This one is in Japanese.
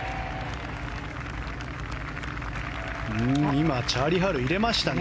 今、チャーリー・ハル入れましたね。